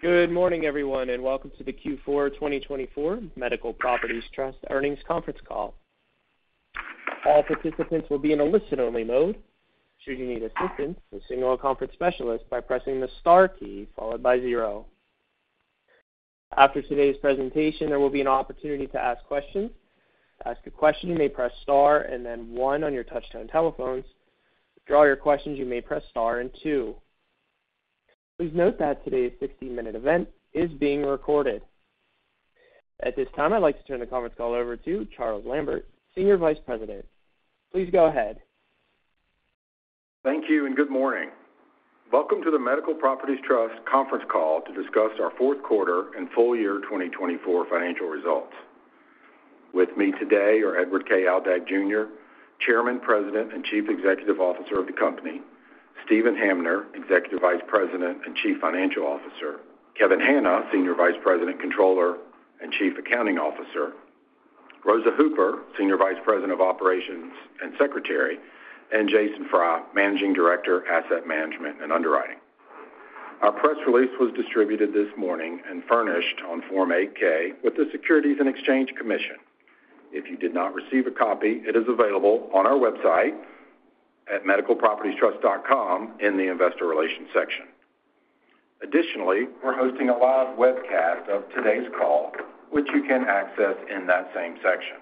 Good morning, everyone, and welcome to the Q4 2024 Medical Properties Trust earnings conference call. All participants will be in a listen-only mode. Should you need assistance, please signal a conference operator by pressing the star key followed by zero. After today's presentation, there will be an opportunity to ask questions. To ask a question, you may press star and then one on your touch-tone telephones. To withdraw your questions, you may press star and two. Please note that today's 60-minute event is being recorded. At this time, I'd like to turn the conference call over to Charles Lambert, Senior Vice President. Please go ahead. Thank you and good morning. Welcome to the Medical Properties Trust conference call to discuss our fourth quarter and full year 2024 financial results. With me today are Edward K. Aldag, Jr., Chairman, President, and Chief Executive Officer of the company, Steven Hamner, Executive Vice President and Chief Financial Officer, Kevin Hanna, Senior Vice President, Controller and Chief Accounting Officer, Rosa Hooper, Senior Vice President of Operations and Secretary, and Jason Fry, Managing Director, Asset Management and Underwriting. Our press release was distributed this morning and furnished on Form 8-K with the Securities and Exchange Commission. If you did not receive a copy, it is available on our website at medicalpropertiestrust.com in the Investor Relations section. Additionally, we're hosting a live webcast of today's call, which you can access in that same section.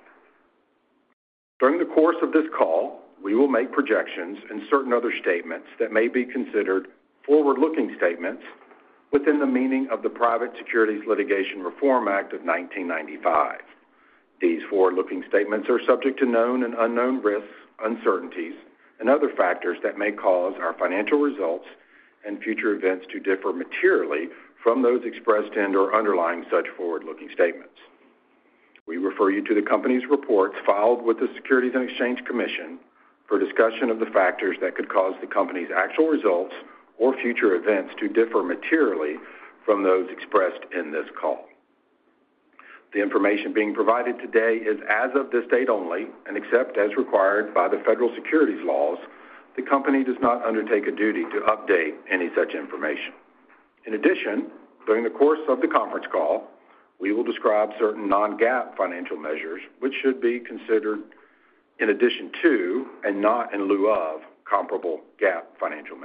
During the course of this call, we will make projections and certain other statements that may be considered forward-looking statements within the meaning of the Private Securities Litigation Reform Act of 1995. These forward-looking statements are subject to known and unknown risks, uncertainties, and other factors that may cause our financial results and future events to differ materially from those expressed and/or underlying such forward-looking statements. We refer you to the company's reports filed with the Securities and Exchange Commission for discussion of the factors that could cause the company's actual results or future events to differ materially from those expressed in this call. The information being provided today is as of this date only, and except as required by the federal securities laws, the company does not undertake a duty to update any such information. In addition, during the course of the conference call, we will describe certain non-GAAP financial measures which should be considered in addition to and not in lieu of comparable GAAP financial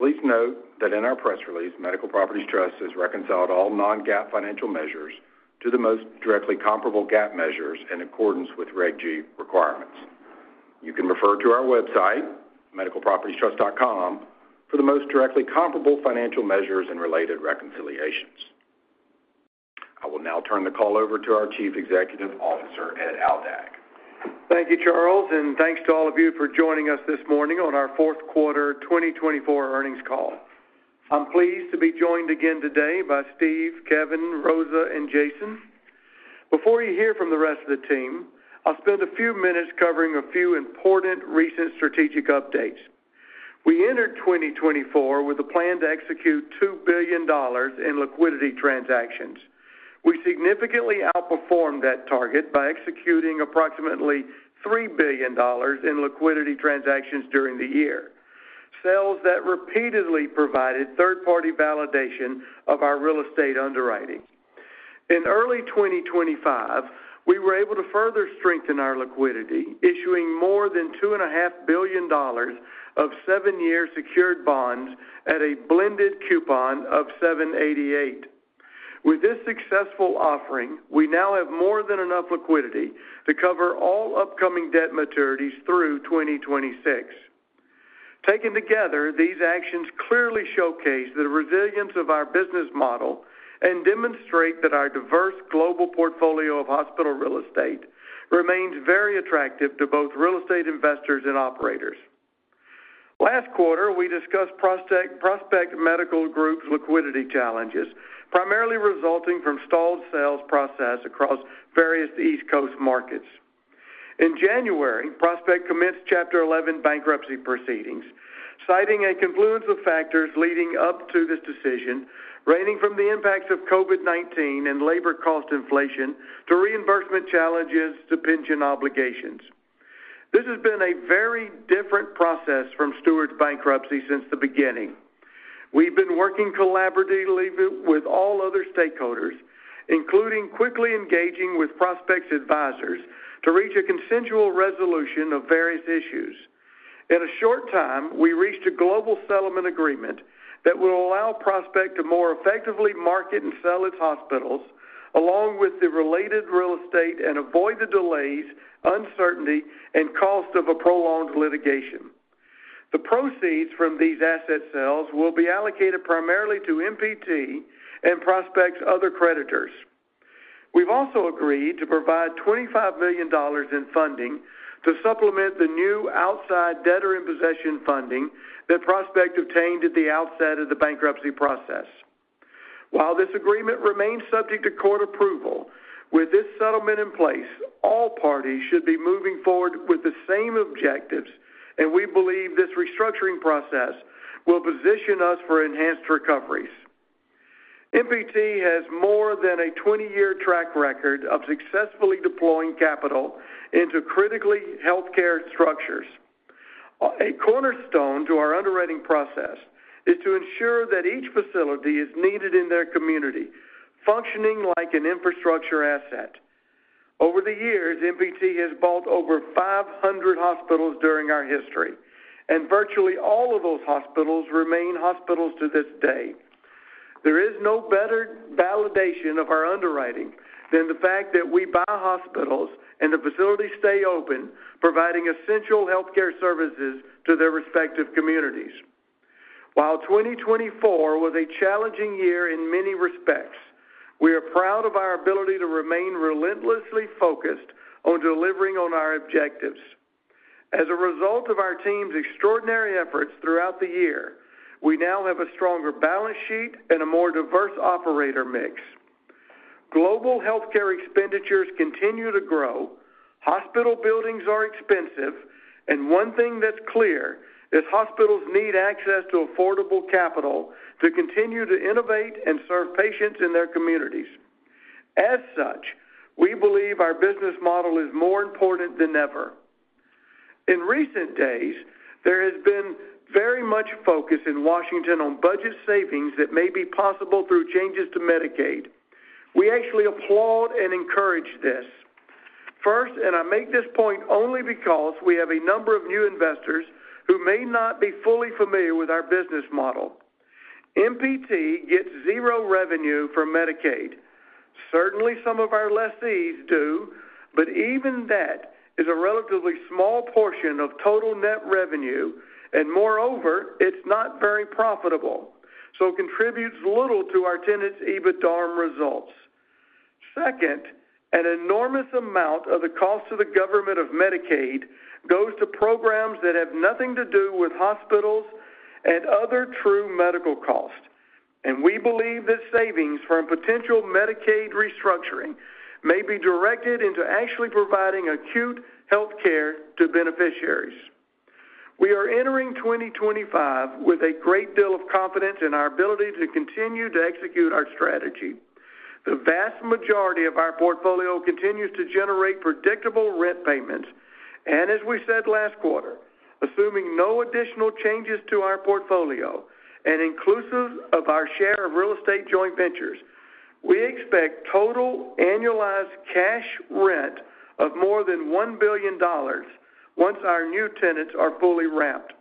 measures. Please note that in our press release, Medical Properties Trust has reconciled all non-GAAP financial measures to the most directly comparable GAAP measures in accordance with Reg G requirements. You can refer to our website, medicalpropertiestrust.com, for the most directly comparable financial measures and related reconciliations. I will now turn the call over to our Chief Executive Officer, Ed Aldag. Thank you, Charles, and thanks to all of you for joining us this morning on our fourth quarter 2024 earnings call. I'm pleased to be joined again today by Steve, Kevin, Rosa, and Jason. Before you hear from the rest of the team, I'll spend a few minutes covering a few important recent strategic updates. We entered 2024 with a plan to execute $2 billion in liquidity transactions. We significantly outperformed that target by executing approximately $3 billion in liquidity transactions during the year, sales that repeatedly provided third-party validation of our real estate underwriting. In early 2025, we were able to further strengthen our liquidity, issuing more than $2.5 billion of seven-year secured bonds at a blended coupon of 7.88%. With this successful offering, we now have more than enough liquidity to cover all upcoming debt maturities through 2026. Taken together, these actions clearly showcase the resilience of our business model and demonstrate that our diverse global portfolio of hospital real estate remains very attractive to both real estate investors and operators. Last quarter, we discussed Prospect Medical Holdings's liquidity challenges, primarily resulting from stalled sales process across various East Coast markets. In January, Prospect commenced Chapter 11 bankruptcy proceedings, citing a confluence of factors leading up to this decision, ranging from the impacts of COVID-19 and labor cost inflation to reimbursement challenges to pension obligations. This has been a very different process from Steward's bankruptcy since the beginning. We've been working collaboratively with all other stakeholders, including quickly engaging with Prospect's advisors to reach a consensual resolution of various issues. In a short time, we reached a global settlement agreement that will allow Prospect to more effectively market and sell its hospitals, along with the related real estate, and avoid the delays, uncertainty, and cost of a prolonged litigation. The proceeds from these asset sales will be allocated primarily to MPT and Prospect's other creditors. We've also agreed to provide $25 million in funding to supplement the new outside debtor in possession funding that Prospect obtained at the outset of the bankruptcy process. While this agreement remains subject to court approval, with this settlement in place, all parties should be moving forward with the same objectives, and we believe this restructuring process will position us for enhanced recoveries. MPT has more than a 20-year track record of successfully deploying capital into critical healthcare structures. A cornerstone to our underwriting process is to ensure that each facility is needed in their community, functioning like an infrastructure asset. Over the years, MPT has bought over 500 hospitals during our history, and virtually all of those hospitals remain hospitals to this day. There is no better validation of our underwriting than the fact that we buy hospitals and the facilities stay open, providing essential healthcare services to their respective communities. While 2024 was a challenging year in many respects, we are proud of our ability to remain relentlessly focused on delivering on our objectives. As a result of our team's extraordinary efforts throughout the year, we now have a stronger balance sheet and a more diverse operator mix. Global healthcare expenditures continue to grow, hospital buildings are expensive, and one thing that's clear is hospitals need access to affordable capital to continue to innovate and serve patients in their communities. As such, we believe our business model is more important than ever. In recent days, there has been very much focus in Washington on budget savings that may be possible through changes to Medicaid. We actually applaud and encourage this. First, and I make this point only because we have a number of new investors who may not be fully familiar with our business model. MPT gets zero revenue from Medicaid. Certainly, some of our lessees do, but even that is a relatively small portion of total net revenue, and moreover, it's not very profitable, so it contributes little to our tenants' EBITDA results. Second, an enormous amount of the cost to the government of Medicaid goes to programs that have nothing to do with hospitals and other true medical costs, and we believe that savings from potential Medicaid restructuring may be directed into actually providing acute healthcare to beneficiaries. We are entering 2025 with a great deal of confidence in our ability to continue to execute our strategy. The vast majority of our portfolio continues to generate predictable rent payments, and as we said last quarter, assuming no additional changes to our portfolio and inclusive of our share of real estate joint ventures, we expect total annualized cash rent of more than $1 billion once our new tenants are fully ramped.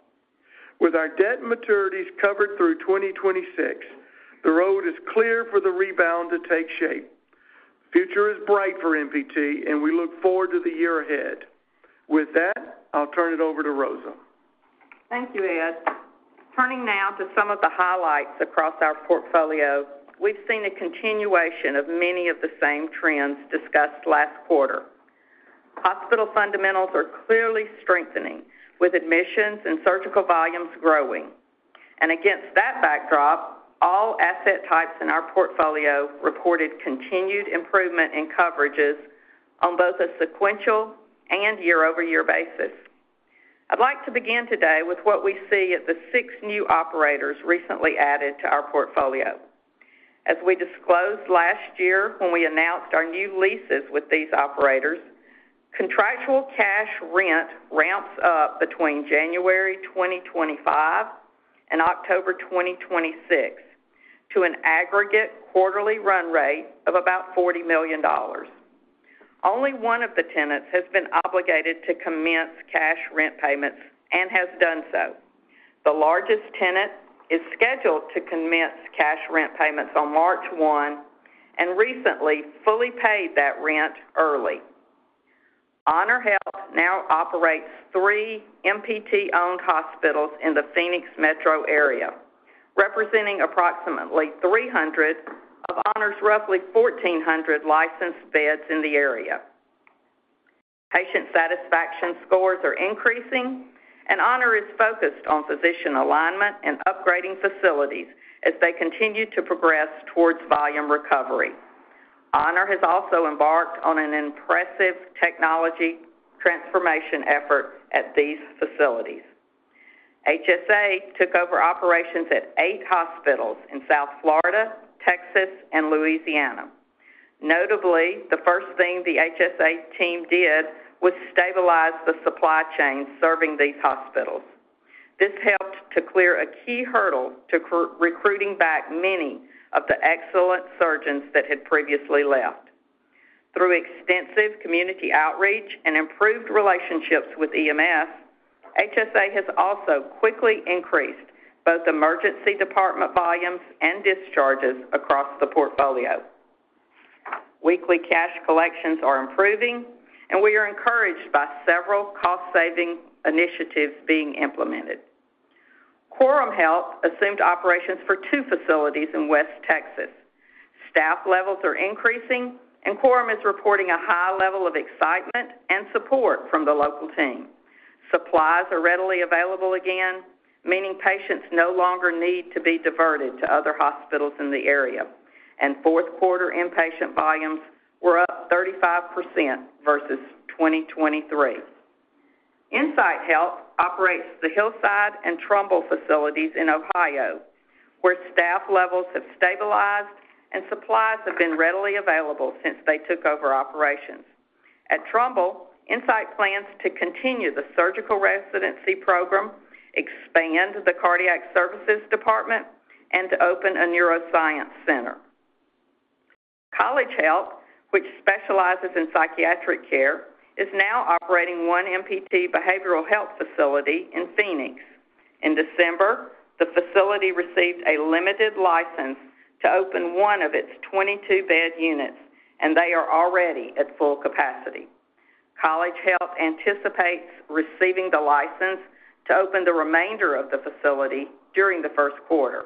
With our debt maturities covered through 2026, the road is clear for the rebound to take shape. The future is bright for MPT, and we look forward to the year ahead. With that, I'll turn it over to Rosa. Thank you, Ed. Turning now to some of the highlights across our portfolio, we've seen a continuation of many of the same trends discussed last quarter. Hospital fundamentals are clearly strengthening, with admissions and surgical volumes growing and against that backdrop, all asset types in our portfolio reported continued improvement in coverages on both a sequential and year-over-year basis. I'd like to begin today with what we see at the six new operators recently added to our portfolio. As we disclosed last year when we announced our new leases with these operators, contractual cash rent ramps up between January 2025 and October 2026 to an aggregate quarterly run rate of about $40 million. Only one of the tenants has been obligated to commence cash rent payments and has done so. The largest tenant is scheduled to commence cash rent payments on March 1 and recently fully paid that rent early. HonorHealth now operates three MPT-owned hospitals in the Phoenix metro area, representing approximately 300 of HonorHealth's roughly 1,400 licensed beds in the area. Patient satisfaction scores are increasing, and HonorHealth is focused on physician alignment and upgrading facilities as they continue to progress towards volume recovery. HonorHealth has also embarked on an impressive technology transformation effort at these facilities. HSA took over operations at eight hospitals in South Florida, Texas, and Louisiana. Notably, the first thing the HSA team did was stabilize the supply chain serving these hospitals. This helped to clear a key hurdle to recruiting back many of the excellent surgeons that had previously left. Through extensive community outreach and improved relationships with EMS, HSA has also quickly increased both emergency department volumes and discharges across the portfolio. Weekly cash collections are improving, and we are encouraged by several cost-saving initiatives being implemented. Quorum Health assumed operations for two facilities in West Texas. Staff levels are increasing, and Quorum is reporting a high level of excitement and support from the local team. Supplies are readily available again, meaning patients no longer need to be diverted to other hospitals in the area, and fourth quarter inpatient volumes were up 35% versus 2023. Insight Health operates the Hillside and Trumbull facilities in Ohio, where staff levels have stabilized and supplies have been readily available since they took over operations. At Trumbull, Insight plans to continue the surgical residency program, expand the cardiac services department, and to open a neuroscience center. College Health, which specializes in psychiatric care, is now operating one MPT behavioral health facility in Phoenix. In December, the facility received a limited license to open one of its 22-bed units, and they are already at full capacity. College Health anticipates receiving the license to open the remainder of the facility during the first quarter.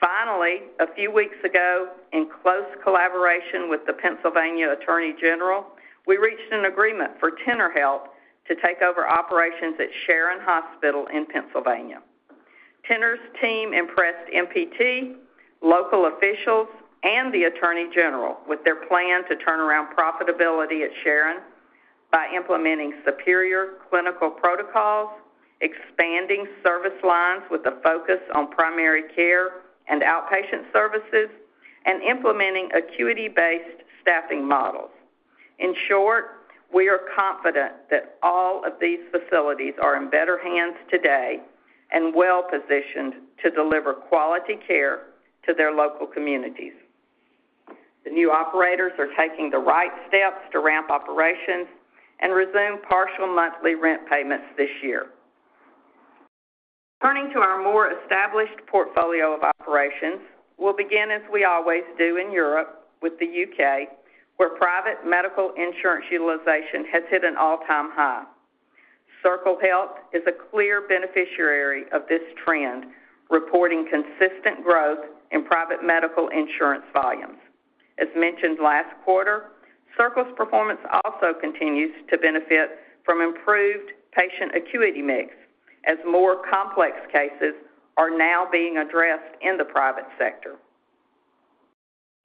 Finally, a few weeks ago, in close collaboration with the Pennsylvania Attorney General, we reached an agreement for Tenor Health to take over operations at Sharon Regional Medical Center in Pennsylvania. Tenor's team impressed MPT, local officials, and the Attorney General with their plan to turn around profitability at Sharon by implementing superior clinical protocols, expanding service lines with a focus on primary care and outpatient services, and implementing acuity-based staffing models. In short, we are confident that all of these facilities are in better hands today and well-positioned to deliver quality care to their local communities. The new operators are taking the right steps to ramp operations and resume partial monthly rent payments this year. Turning to our more established portfolio of operations, we'll begin, as we always do in Europe, with the U.K., where private medical insurance utilization has hit an all-time high. Circle Health is a clear beneficiary of this trend, reporting consistent growth in private medical insurance volumes. As mentioned last quarter, Circle's performance also continues to benefit from improved patient acuity mix, as more complex cases are now being addressed in the private sector.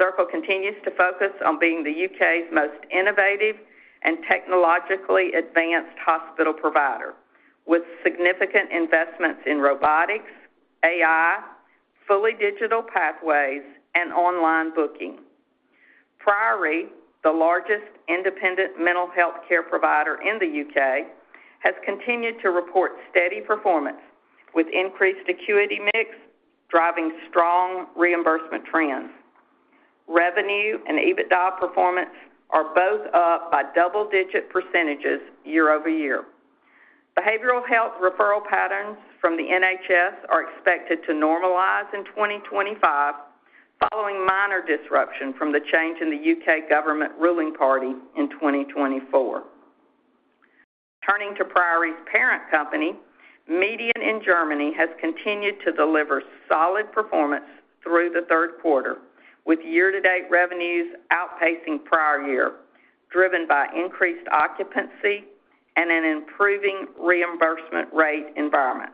Circle continues to focus on being the U.K.'s most innovative and technologically advanced hospital provider, with significant investments in robotics, AI, fully digital pathways, and online booking. Priory, the largest independent mental healthcare provider in the U.K., has continued to report steady performance, with increased acuity mix driving strong reimbursement trends. Revenue and EBITDA performance are both up by double-digit % year over year. Behavioral health referral patterns from the NHS are expected to normalize in 2025, following minor disruption from the change in the U.K. government ruling party in 2024. Turning to Priory's parent company, MEDIAN in Germany has continued to deliver solid performance through the third quarter, with year-to-date revenues outpacing prior year, driven by increased occupancy and an improving reimbursement rate environment.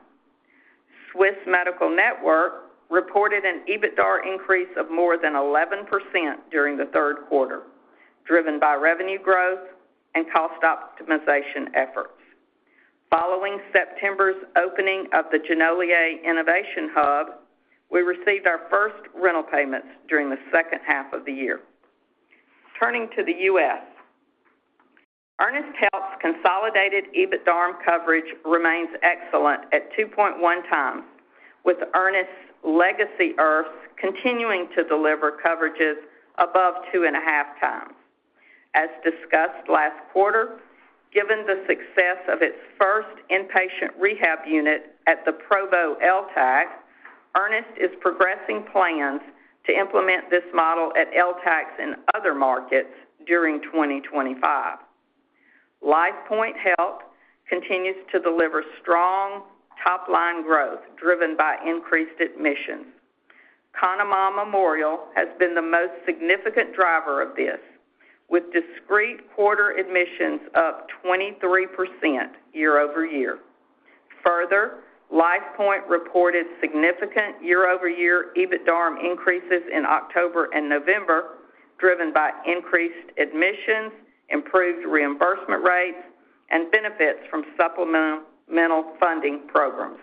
Swiss Medical Network reported an EBITDA increase of more than 11% during the third quarter, driven by revenue growth and cost optimization efforts. Following September's opening of the Genolier Innovation Hub, we received our first rental payments during the second half of the year. Turning to the U.S., Ernest Health's consolidated EBITDA coverage remains excellent at 2.1 times, with Ernest's legacy ERFs continuing to deliver coverages above 2.5 times. As discussed last quarter, given the success of its first inpatient rehab unit at the Provo LTAC, Ernest Health is progressing plans to implement this model at LTACs in other markets during 2025. LifePoint Health continues to deliver strong top-line growth driven by increased admissions. Conemaugh Memorial has been the most significant driver of this, with this quarter admissions of 23% year over year. Further, LifePoint Health reported significant year-over-year EBITDA increases in October and November, driven by increased admissions, improved reimbursement rates, and benefits from supplemental funding programs.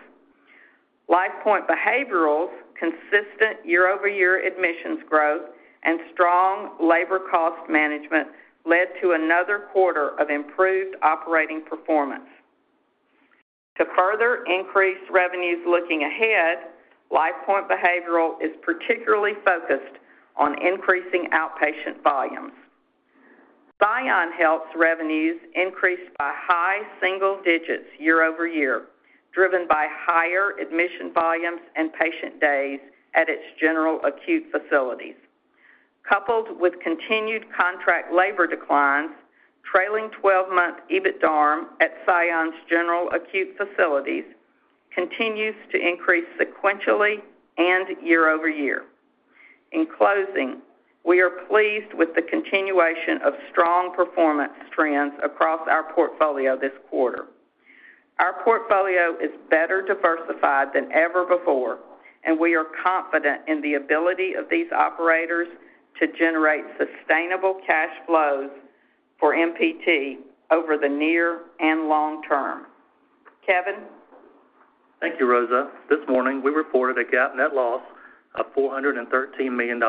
LifePoint Behavioral's consistent year-over-year admissions growth and strong labor cost management led to another quarter of improved operating performance. To further increase revenues looking ahead, LifePoint Behavioral is particularly focused on increasing outpatient volumes. Scion Health's revenues increased by high single digits year over year, driven by higher admission volumes and patient days at its general acute facilities. Coupled with continued contract labor declines, trailing 12-month EBITDA at Scion's general acute facilities continues to increase sequentially and year over year. In closing, we are pleased with the continuation of strong performance trends across our portfolio this quarter. Our portfolio is better diversified than ever before, and we are confident in the ability of these operators to generate sustainable cash flows for MPT over the near and long term. Kevin. Thank you, Rosa. This morning, we reported a GAAP net loss of $413 million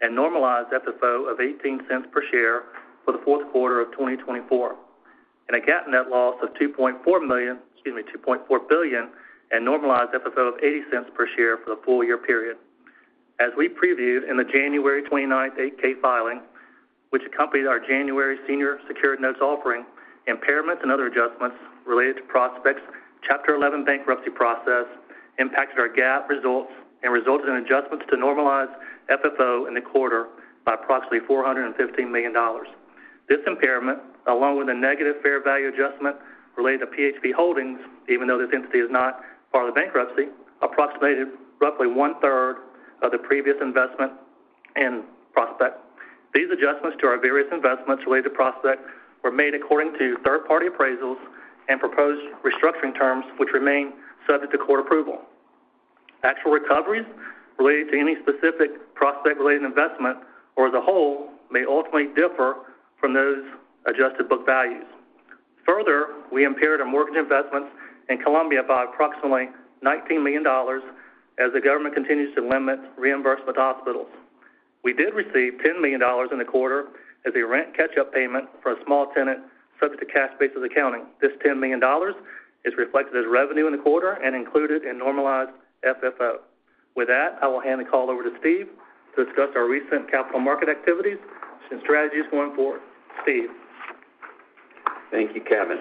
and normalized FFO of $0.18 per share for the fourth quarter of 2024, and a GAAP net loss of 2.4 million, excuse me, 2.4 billion, and normalized FFO of $0.80 per share for the full year period. As we previewed in the January 29th 8-K filing, which accompanied our January senior secured notes offering, impairments and other adjustments related to Prospect's Chapter 11 bankruptcy process impacted our GAAP results and resulted in adjustments to normalize FFO in the quarter by approximately $415 million. This impairment, along with a negative fair value adjustment related to PHP Holdings, even though this entity is not part of the bankruptcy, approximated roughly one-third of the previous investment in Prospect. These adjustments to our various investments related to Prospect were made according to third-party appraisals and proposed restructuring terms, which remain subject to court approval. Actual recoveries related to any specific Prospect-related investment or as a whole may ultimately differ from those adjusted book values. Further, we impaired our mortgage investments in Colombia by approximately $19 million as the government continues to limit reimbursement to hospitals. We did receive $10 million in the quarter as a rent catch-up payment for a small tenant subject to cash basis accounting. This $10 million is reflected as revenue in the quarter and included in normalized FFO. With that, I will hand the call over to Steve to discuss our recent capital market activities and strategies going forward. Steve. Thank you, Kevin.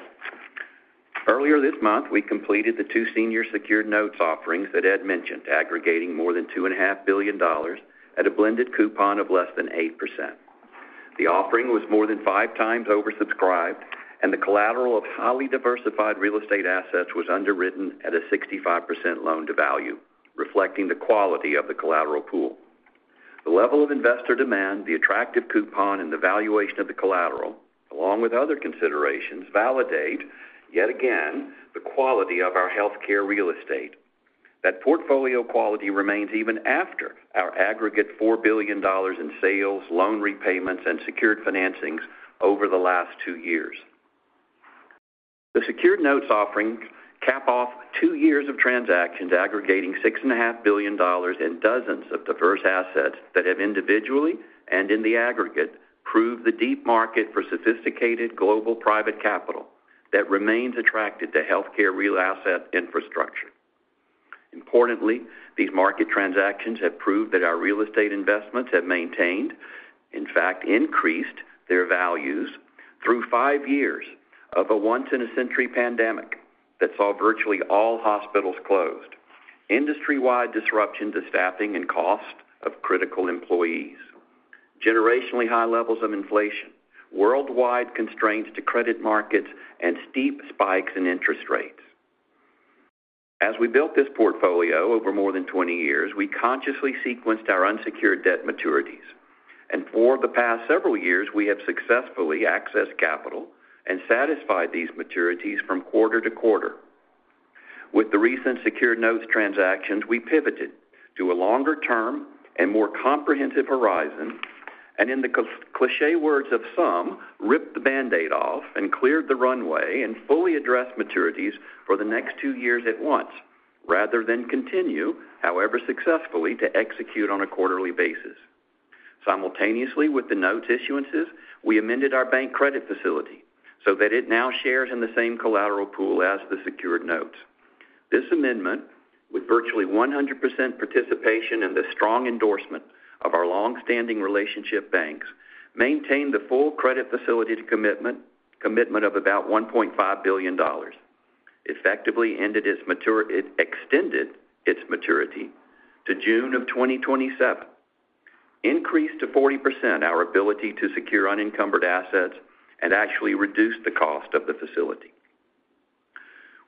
Earlier this month, we completed the two senior secured notes offerings that Ed mentioned, aggregating more than $2.5 billion at a blended coupon of less than 8%. The offering was more than five times oversubscribed, and the collateral of highly diversified real estate assets was underwritten at a 65% loan to value, reflecting the quality of the collateral pool. The level of investor demand, the attractive coupon, and the valuation of the collateral, along with other considerations, validate yet again the quality of our healthcare real estate. That portfolio quality remains even after our aggregate $4 billion in sales, loan repayments, and secured financings over the last two years. The secured notes offering cap off two years of transactions aggregating $6.5 billion in dozens of diverse assets that have individually and in the aggregate proved the deep market for sophisticated global private capital that remains attracted to healthcare real asset infrastructure. Importantly, these market transactions have proved that our real estate investments have maintained, in fact, increased their values through five years of a once-in-a-century pandemic that saw virtually all hospitals closed, industry-wide disruption to staffing and cost of critical employees, generationally high levels of inflation, worldwide constraints to credit markets, and steep spikes in interest rates. As we built this portfolio over more than 20 years, we consciously sequenced our unsecured debt maturities, and for the past several years, we have successfully accessed capital and satisfied these maturities from quarter to quarter. With the recent secured notes transactions, we pivoted to a longer-term and more comprehensive horizon, and in the cliché words of some, ripped the Band-Aid off and cleared the runway and fully addressed maturities for the next two years at once, rather than continue, however successfully, to execute on a quarterly basis. Simultaneously with the notes issuances, we amended our bank credit facility so that it now shares in the same collateral pool as the secured notes. This amendment, with virtually 100% participation and the strong endorsement of our long-standing relationship banks, maintained the full credit facility commitment of about $1.5 billion, effectively extended its maturity to June of 2027, increased to 40% our ability to secure unencumbered assets, and actually reduced the cost of the facility.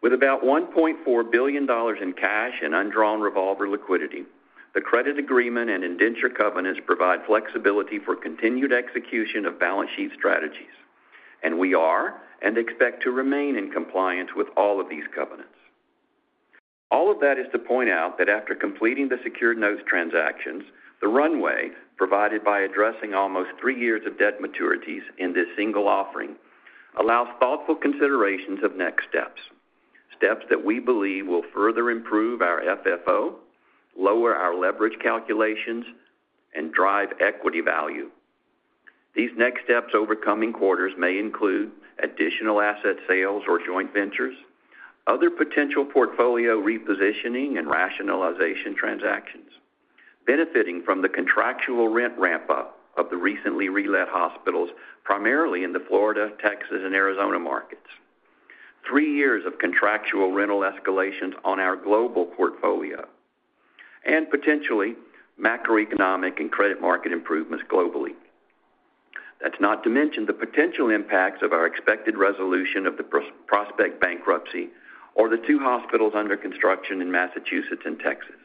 With about $1.4 billion in cash and undrawn revolver liquidity, the credit agreement and indenture covenants provide flexibility for continued execution of balance sheet strategies, and we are and expect to remain in compliance with all of these covenants. All of that is to point out that after completing the secured notes transactions, the runway provided by addressing almost three years of debt maturities in this single offering allows thoughtful considerations of next steps, steps that we believe will further improve our FFO, lower our leverage calculations, and drive equity value. These next steps over coming quarters may include additional asset sales or joint ventures, other potential portfolio repositioning and rationalization transactions, benefiting from the contractual rent ramp-up of the recently relit hospitals, primarily in the Florida, Texas, and Arizona markets, three years of contractual rental escalations on our global portfolio, and potentially macroeconomic and credit market improvements globally. That's not to mention the potential impacts of our expected resolution of the Prospect bankruptcy or the two hospitals under construction in Massachusetts and Texas.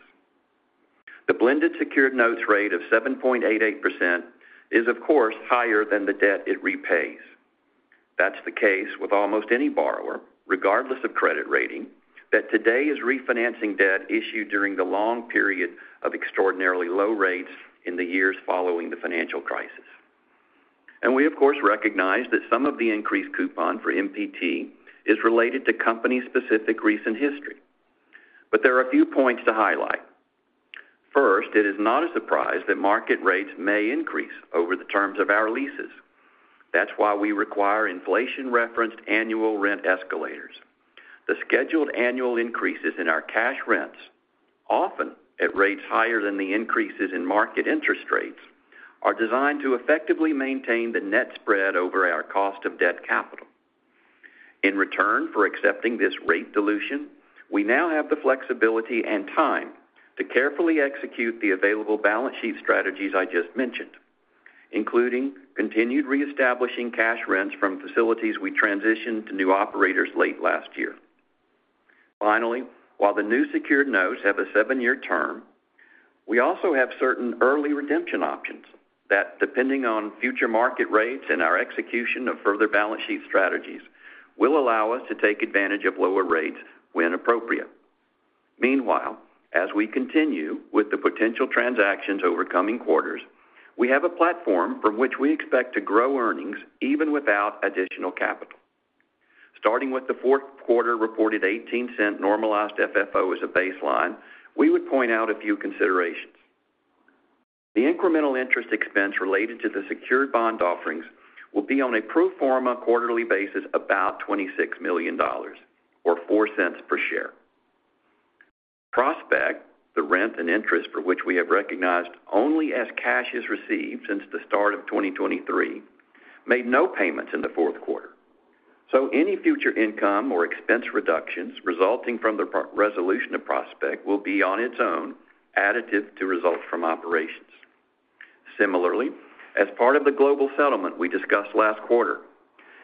The blended secured notes rate of 7.88% is, of course, higher than the debt it repays. That's the case with almost any borrower, regardless of credit rating, that today is refinancing debt issued during the long period of extraordinarily low rates in the years following the financial crisis. And we, of course, recognize that some of the increased coupon for MPT is related to company-specific recent history. But there are a few points to highlight. First, it is not a surprise that market rates may increase over the terms of our leases. That's why we require inflation-referenced annual rent escalators. The scheduled annual increases in our cash rents, often at rates higher than the increases in market interest rates, are designed to effectively maintain the net spread over our cost of debt capital. In return for accepting this rate dilution, we now have the flexibility and time to carefully execute the available balance sheet strategies I just mentioned, including continued reestablishing cash rents from facilities we transitioned to new operators late last year. Finally, while the new secured notes have a seven-year term, we also have certain early redemption options that, depending on future market rates and our execution of further balance sheet strategies, will allow us to take advantage of lower rates when appropriate. Meanwhile, as we continue with the potential transactions over coming quarters, we have a platform from which we expect to grow earnings even without additional capital. Starting with the fourth quarter reported $0.18 normalized FFO as a baseline, we would point out a few considerations. The incremental interest expense related to the secured bond offerings will be on a pro forma quarterly basis about $26 million or $0.04 per share. Prospect, the rent and interest for which we have recognized only as cash is received since the start of 2023, made no payments in the fourth quarter. So any future income or expense reductions resulting from the resolution of Prospect will be on its own additive to results from operations. Similarly, as part of the global settlement we discussed last quarter,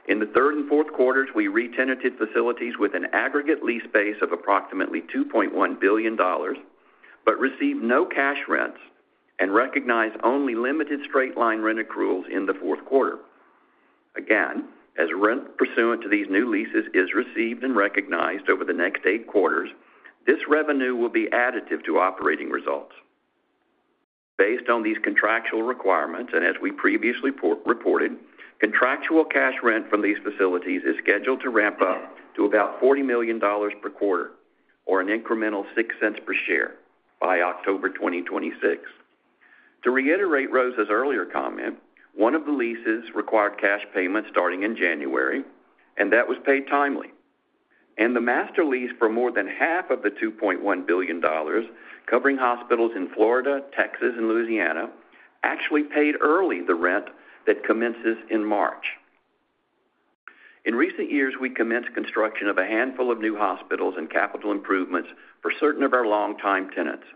in the third and fourth quarters, we re-tenanted facilities with an aggregate lease space of approximately $2.1 billion, but received no cash rents and recognized only limited straight-line rent accruals in the fourth quarter. Again, as rent pursuant to these new leases is received and recognized over the next eight quarters, this revenue will be additive to operating results. Based on these contractual requirements, and as we previously reported, contractual cash rent from these facilities is scheduled to ramp up to about $40 million per quarter or an incremental $0.06 per share by October 2026. To reiterate Rosa's earlier comment, one of the leases required cash payments starting in January, and that was paid timely. And the master lease for more than half of the $2.1 billion, covering hospitals in Florida, Texas, and Louisiana, actually paid early the rent that commences in March. In recent years, we commenced construction of a handful of new hospitals and capital improvements for certain of our long-time tenants.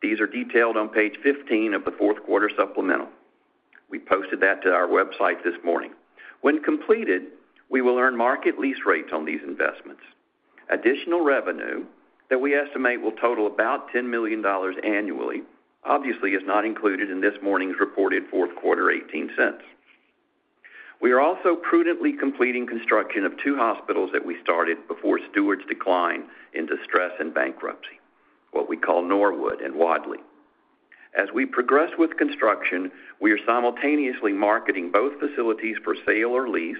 These are detailed on page 15 of the fourth quarter supplemental. We posted that to our website this morning. When completed, we will earn market lease rates on these investments. Additional revenue that we estimate will total about $10 million annually, obviously is not included in this morning's reported fourth quarter $0.18. We are also prudently completing construction of two hospitals that we started before Steward's declined into stress and bankruptcy, what we call Norwood and Wadley. As we progress with construction, we are simultaneously marketing both facilities for sale or lease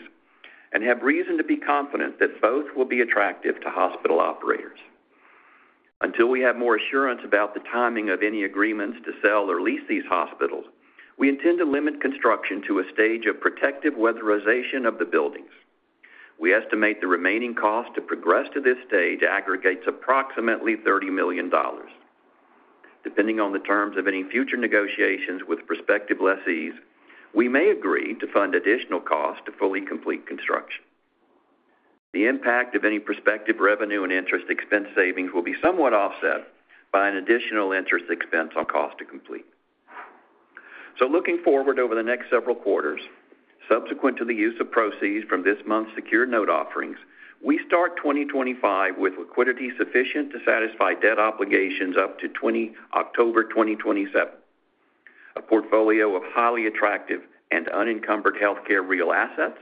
and have reason to be confident that both will be attractive to hospital operators. Until we have more assurance about the timing of any agreements to sell or lease these hospitals, we intend to limit construction to a stage of protective weatherization of the buildings. We estimate the remaining cost to progress to this stage aggregates approximately $30 million. Depending on the terms of any future negotiations with prospective lessees, we may agree to fund additional costs to fully complete construction. The impact of any prospective revenue and interest expense savings will be somewhat offset by an additional interest expense on cost to complete. So looking forward over the next several quarters, subsequent to the use of proceeds from this month's secured note offerings, we start 2025 with liquidity sufficient to satisfy debt obligations up to October 2027, a portfolio of highly attractive and unencumbered healthcare real assets,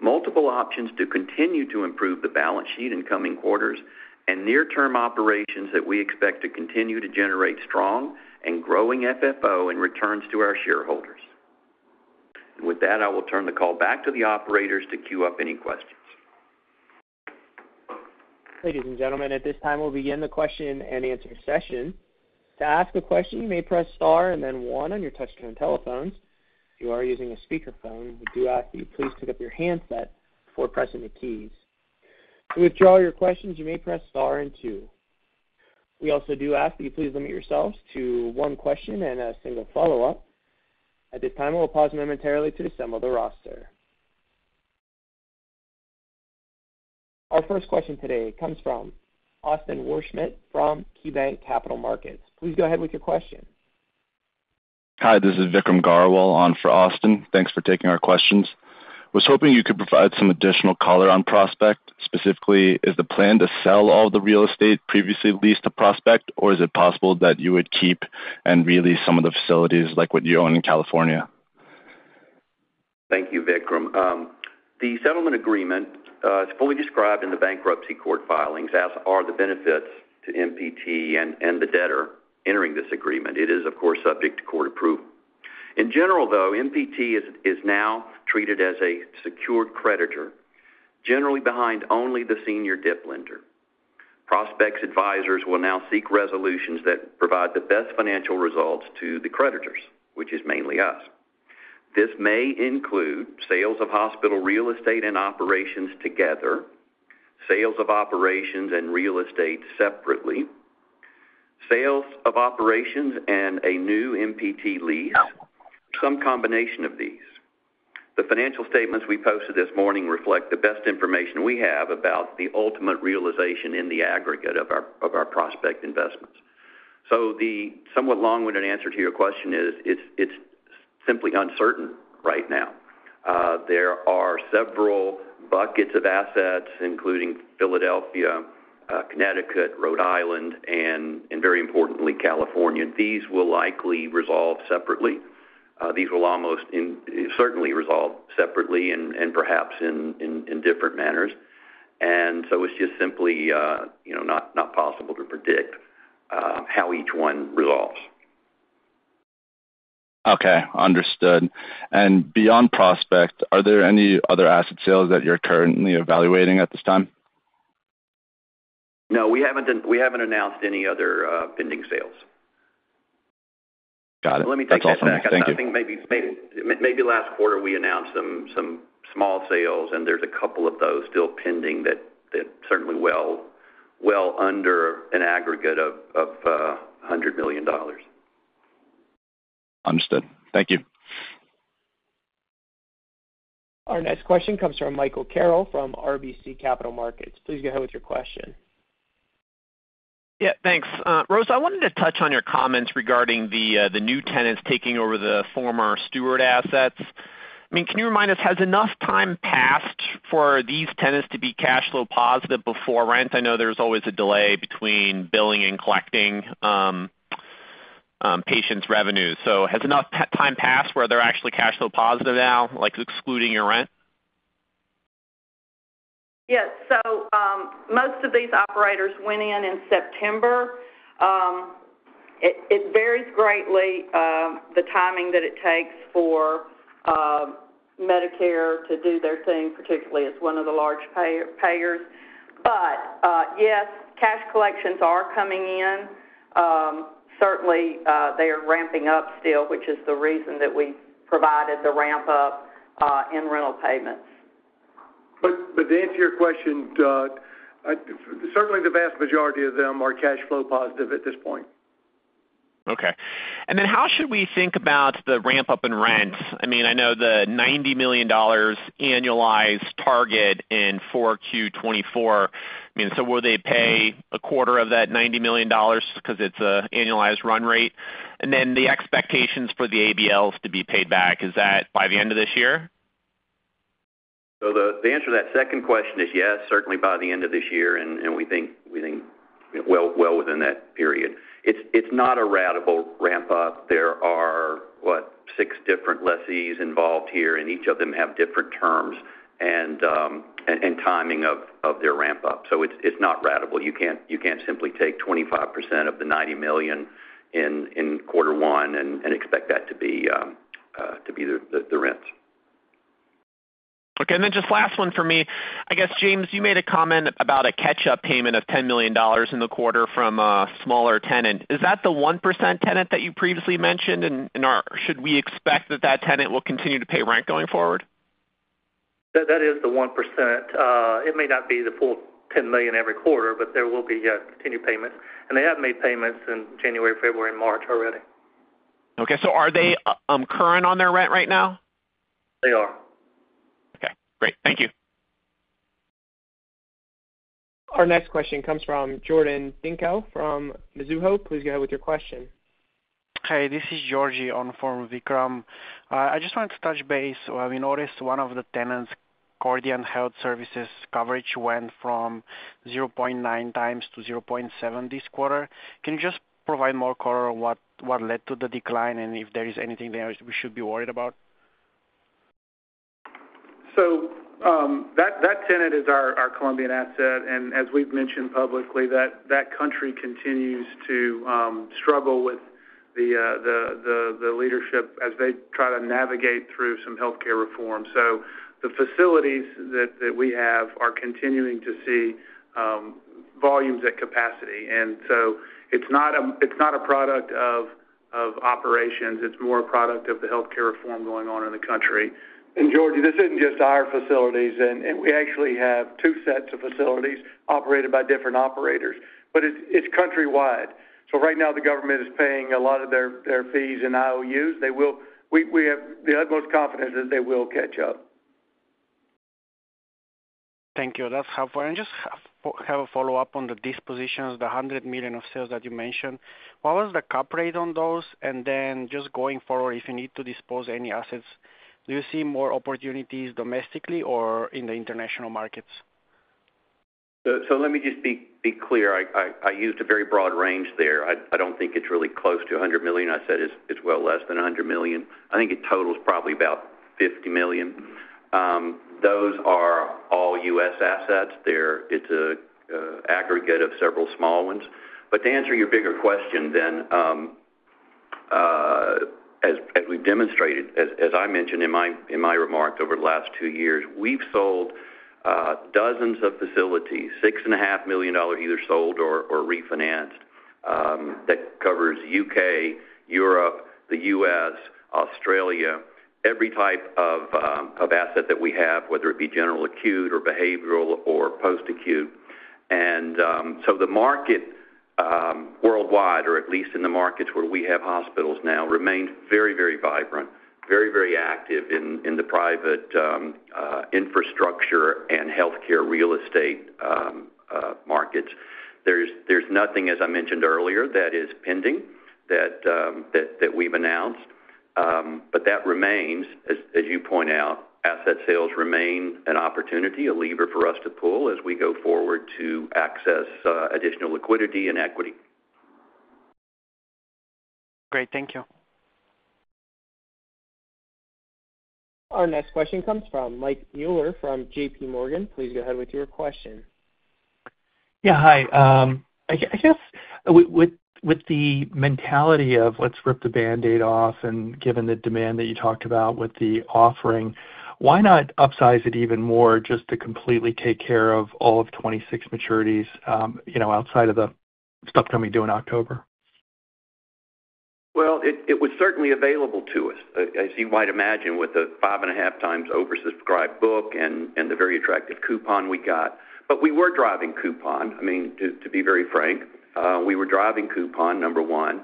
multiple options to continue to improve the balance sheet in coming quarters, and near-term operations that we expect to continue to generate strong and growing FFO and returns to our shareholders. With that, I will turn the call back to the operators to queue up any questions. Ladies and gentlemen, at this time, we'll begin the question and answer session. To ask a question, you may press star and then one on your touchscreen telephones. If you are using a speakerphone, we do ask that you please pick up your handset before pressing the keys. To withdraw your questions, you may press star and two. We also do ask that you please limit yourselves to one question and a single follow-up. At this time, we'll pause momentarily to assemble the roster. Our first question today comes from Austin Wurschmidt from KeyBanc Capital Markets. Please go ahead with your question. Hi, this is Vikram Grewal on for Austin. Thanks for taking our questions. I was hoping you could provide some additional color on Prospect. Specifically, is the plan to sell all of the real estate previously leased to Prospect, or is it possible that you would keep and release some of the facilities like what you own in California? Thank you, Vikram. The settlement agreement is fully described in the bankruptcy court filings, as are the benefits to MPT and the debtor entering this agreement. It is, of course, subject to court approval. In general, though, MPT is now treated as a secured creditor, generally behind only the senior debt lender. Prospect's advisors will now seek resolutions that provide the best financial results to the creditors, which is mainly us. This may include sales of hospital real estate and operations together, sales of operations and real estate separately, sales of operations and a new MPT lease, some combination of these. The financial statements we posted this morning reflect the best information we have about the ultimate realization in the aggregate of our Prospect investments. So the somewhat long-winded answer to your question is it's simply uncertain right now. There are several buckets of assets, including Philadelphia, Connecticut, Rhode Island, and very importantly, California. These will likely resolve separately. These will almost certainly resolve separately and perhaps in different manners. And so it's just simply not possible to predict how each one resolves. Okay. Understood. And beyond Prospect, are there any other asset sales that you're currently evaluating at this time? No, we haven't announced any other pending sales. Got it. That's all something I can think of. I think maybe last quarter we announced some small sales, and there's a couple of those still pending that certainly well under an aggregate of $100 million. Understood. Thank you. Our next question comes from Michael Carroll from RBC Capital Markets. Please go ahead with your question. Yeah, thanks. Rosa, I wanted to touch on your comments regarding the new tenants taking over the former Steward assets. I mean, can you remind us, has enough time passed for these tenants to be cash flow positive before rent? I know there's always a delay between billing and collecting patients' revenues. So has enough time passed where they're actually cash flow positive now, excluding your rent? Yes. So most of these operators went in September. It varies greatly, the timing that it takes for Medicare to do their thing, particularly as one of the large payers. But yes, cash collections are coming in. Certainly, they are ramping up still, which is the reason that we provided the ramp-up in rental payments. But to answer your question, certainly the vast majority of them are cash flow positive at this point. Okay. And then how should we think about the ramp-up in rent? I mean, I know the $90 million annualized target in 4Q24. I mean, so will they pay a quarter of that $90 million because it's an annualized run rate? And then the expectations for the ABLs to be paid back, is that by the end of this year? So the answer to that second question is yes, certainly by the end of this year, and we think well within that period. It's not a ratable ramp-up. There are, what, six different lessees involved here, and each of them have different terms and timing of their ramp-up. So it's not ratable. You can't simply take 25% of the $90 million in quarter one and expect that to be the rents. Okay. And then just last one for me. I guess, James, you made a comment about a catch-up payment of $10 million in the quarter from a smaller tenant. Is that the 1% tenant that you previously mentioned, and should we expect that that tenant will continue to pay rent going forward? That is the 1%. It may not be the full $10 million every quarter, but there will be continued payments, and they have made payments in January, February, and March already. Okay. So are they current on their rent right now? They are. Okay. Great. Thank you. Our next question comes from Georgi Dinkov from Mizuho. Please go ahead with your question. Hi, this is Georgi on for Vikram. I just wanted to touch base. We noticed one of the tenants, Scion Health, went from 0.9 times to 0.7 this quarter. Can you just provide more color on what led to the decline and if there is anything there we should be worried about? So that tenant is our Colombian asset. And as we've mentioned publicly, that country continues to struggle with the leadership as they try to navigate through some healthcare reform. So the facilities that we have are continuing to see volumes at capacity. And so it's not a product of operations. It's more a product of the healthcare reform going on in the country. And Georgi, this isn't just our facilities. We actually have two sets of facilities operated by different operators, but it's countrywide. So right now, the government is paying a lot of their fees in IOUs. We have the utmost confidence that they will catch up. Thank you. That's helpful. And just have a follow-up on the dispositions, the $100 million of sales that you mentioned. What was the cap rate on those? And then just going forward, if you need to dispose of any assets, do you see more opportunities domestically or in the international markets? So let me just be clear. I used a very broad range there. I don't think it's really close to $100 million. I said it's well less than $100 million. I think it totals probably about $50 million. Those are all U.S. assets. It's an aggregate of several small ones. But to answer your bigger question then, as we've demonstrated, as I mentioned in my remarks over the last two years, we've sold dozens of facilities, $6.5 million either sold or refinanced, that covers the U.K., Europe, the U.S., Australia, every type of asset that we have, whether it be general acute or behavioral or post-acute. And so the market worldwide, or at least in the markets where we have hospitals now, remains very, very vibrant, very, very active in the private infrastructure and healthcare real estate markets. There's nothing, as I mentioned earlier, that is pending that we've announced. But that remains, as you point out, asset sales remain an opportunity, a lever for us to pull as we go forward to access additional liquidity and equity. Great. Thank you. Our next question comes from Mike Mueller from JPMorgan. Please go ahead with your question. Yeah. Hi. I guess with the mentality of, "Let's rip the Band-Aid off," and given the demand that you talked about with the offering, why not upsize it even more just to completely take care of all of 26 maturities outside of the stuff that we do in October? It was certainly available to us, as you might imagine, with a 5.5 times oversubscribed book and the very attractive coupon we got. But we were driving coupon. I mean, to be very frank, we were driving coupon, number one.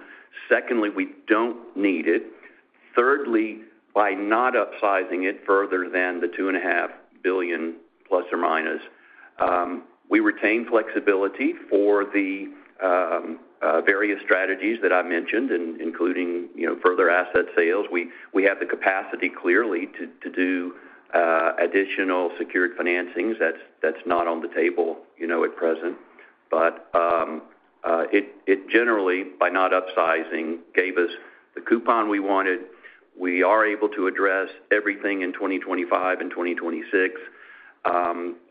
Secondly, we don't need it. Thirdly, by not upsizing it further than the $2.5 billion plus or minus, we retain flexibility for the various strategies that I mentioned, including further asset sales. We have the capacity clearly to do additional secured financings. That's not on the table at present. But it generally, by not upsizing, gave us the coupon we wanted. We are able to address everything in 2025 and 2026,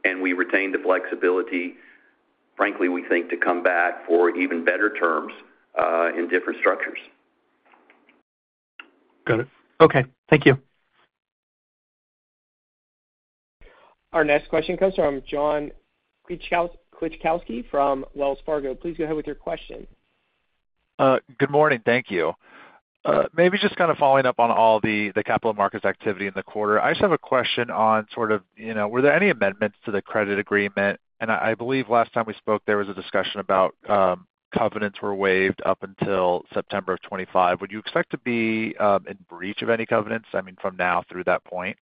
and we retain the flexibility, frankly, we think, to come back for even better terms in different structures. Got it. Okay. Thank you. Our next question comes from John Kilichowski from Wells Fargo. Please go ahead with your question. Good morning. Thank you. Maybe just kind of following up on all the capital markets activity in the quarter, I just have a question on sort of, were there any amendments to the credit agreement? And I believe last time we spoke, there was a discussion about covenants were waived up until September of 2025. Would you expect to be in breach of any covenants, I mean, from now through that point?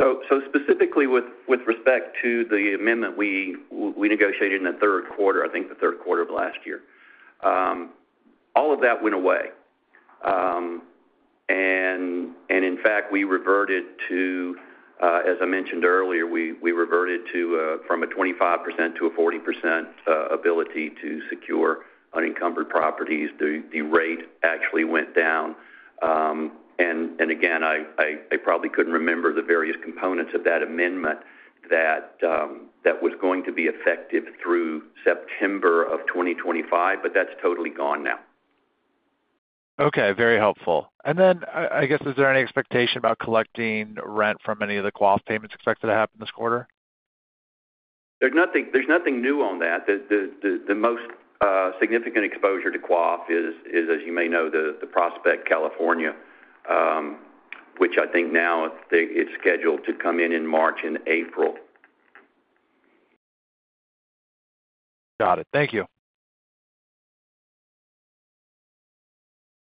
So specifically with respect to the amendment we negotiated in the third quarter, I think the third quarter of last year, all of that went away. And in fact, we reverted to, as I mentioned earlier, we reverted from a 25% to a 40% ability to secure unencumbered properties. The rate actually went down. And again, I probably couldn't remember the various components of that amendment that was going to be effective through September of 2025, but that's totally gone now. Okay. Very helpful. And then I guess, is there any expectation about collecting rent from any of the QAF payments expected to happen this quarter? There's nothing new on that. The most significant exposure to QAF is, as you may know, the Prospect California, which I think now it's scheduled to come in in March and April. Got it. Thank you.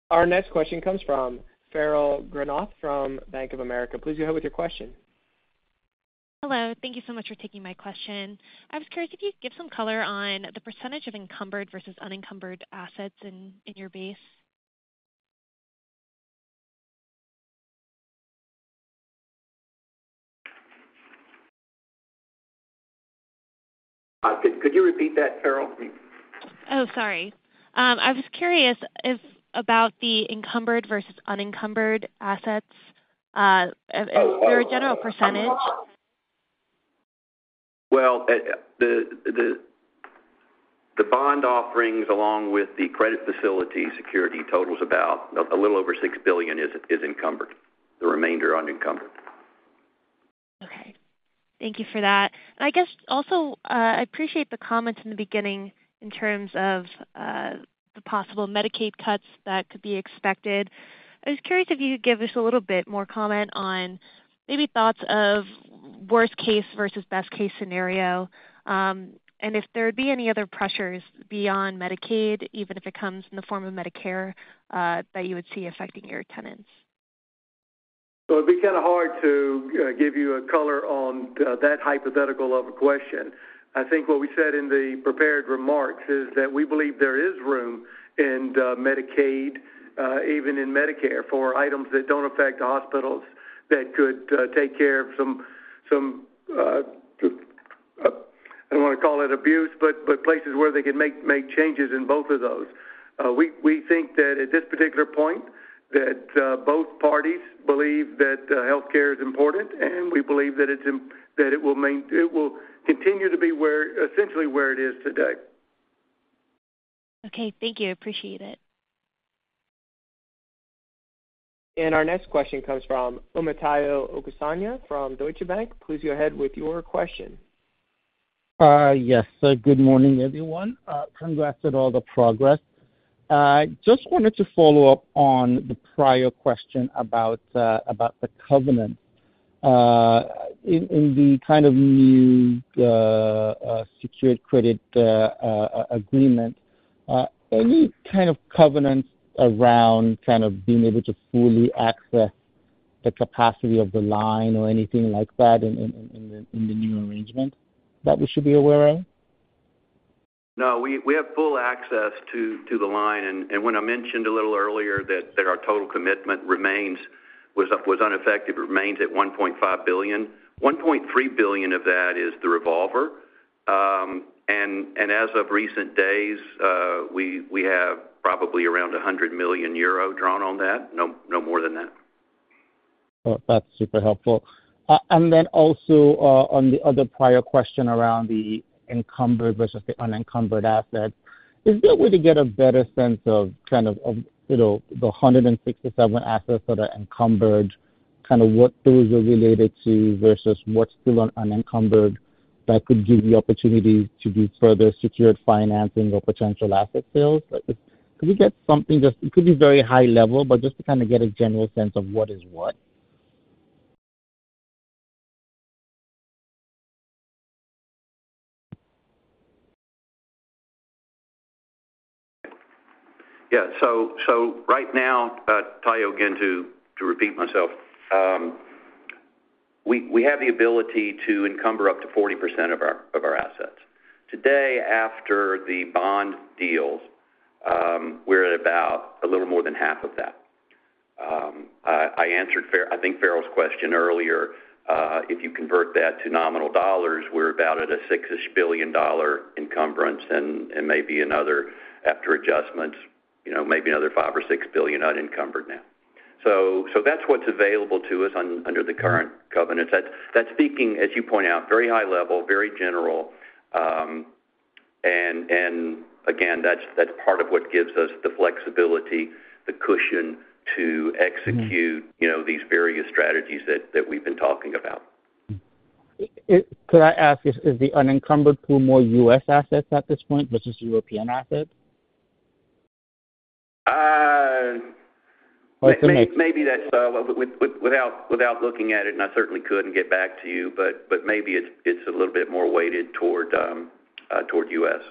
Our next question comes from Farrell Granath from Bank of America. Please go ahead with your question. Hello. Thank you so much for taking my question. I was curious if you could give some color on the percentage of encumbered versus unencumbered assets in your base. Could you repeat that, Farrell? Oh, sorry. I was curious about the encumbered versus unencumbered assets. Is there a general percentage? The bond offerings, along with the credit facility securities, total about a little over $6 billion is encumbered. The remainder are unencumbered. Okay. Thank you for that. And I guess also I appreciate the comments in the beginning in terms of the possible Medicaid cuts that could be expected. I was curious if you could give us a little bit more comment on maybe thoughts of worst case versus best case scenario, and if there would be any other pressures beyond Medicaid, even if it comes in the form of Medicare, that you would see affecting your tenants. So it'd be kind of hard to give you a color on that hypothetical of a question. I think what we said in the prepared remarks is that we believe there is room in Medicaid, even in Medicare, for items that don't affect the hospitals that could take care of some, I don't want to call it abuse, but places where they can make changes in both of those. We think that at this particular point, that both parties believe that healthcare is important, and we believe that it will continue to be essentially where it is today. Okay. Thank you. Appreciate it. Our next question comes from Omotayo Okusanya from Deutsche Bank. Please go ahead with your question. Yes. Good morning, everyone. Congrats on all the progress. Just wanted to follow up on the prior question about the covenants. In the kind of new secured credit agreement, any kind of covenants around kind of being able to fully access the capacity of the line or anything like that in the new arrangement that we should be aware of? No. We have full access to the line. And when I mentioned a little earlier that our total commitment remains unaffected, it remains at $1.5 billion. $1.3 billion of that is the revolver. And as of recent days, we have probably around €100 million drawn on that, no more than that. That's super helpful. And then also on the other prior question around the encumbered versus the unencumbered assets, is there a way to get a better sense of kind of the 167 assets that are encumbered, kind of what those are related to versus what's still unencumbered that could give you opportunities to do further secured financing or potential asset sales? Could we get something just-it could be very high level-but just to kind of get a general sense of what is what? Yeah. So right now, to tie you again, to repeat myself, we have the ability to encumber up to 40% of our assets. Today, after the bond deals, we're at about a little more than half of that. I think Farrell's question earlier, if you convert that to nominal dollars, we're about at a $6 billion encumbrance and maybe another, after adjustments, maybe another $5 billion or $6 billion unencumbered now. So that's what's available to us under the current covenants. That's speaking, as you point out, very high level, very general. And again, that's part of what gives us the flexibility, the cushion to execute these various strategies that we've been talking about. Could I ask, is the unencumbered pool more U.S. assets at this point versus European assets? Maybe that's without looking at it, and I certainly could and get back to you, but maybe it's a little bit more weighted toward U.S.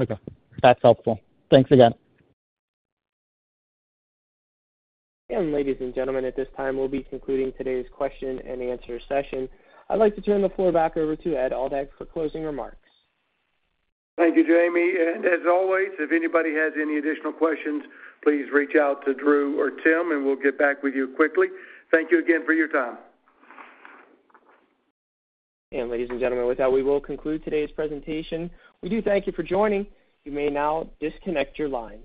Okay. That's helpful. Thanks again. Ladies and gentlemen, at this time, we'll be concluding today's question and answer session. I'd like to turn the floor back over to Ed Aldag for closing remarks. Thank you, Jamie. And as always, if anybody has any additional questions, please reach out to Drew or Tim, and we'll get back with you quickly. Thank you again for your time. And ladies and gentlemen, with that, we will conclude today's presentation. We do thank you for joining. You may now disconnect your line.